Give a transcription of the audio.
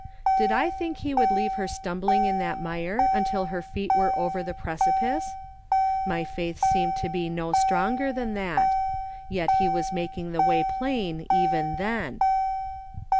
Did I think he would leave her stumbling in that mire until her feet were over the precipice ? My faith seemed to be no stronger than that. Yet he was making the way plain even then.